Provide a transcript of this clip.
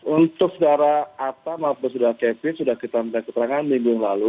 untuk saudara atta maupun saudara kevin sudah kita minta keterangan minggu lalu